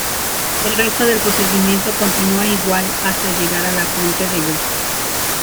El resto del procedimiento continúa igual, hasta llegar a la fuente de luz.